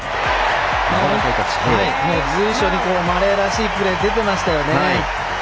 随所にマレーらしいプレーが出てましたよね。